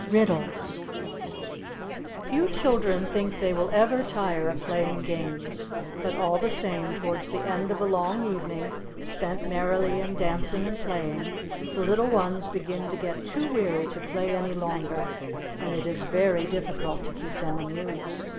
RIDDLES Few children think they will ever tire of playing games; but all the same, towards the end of a long evening, spent merrily in dancing and playing, the little ones begin to get too weary to play any longer, and it is very difficult to keep them amused.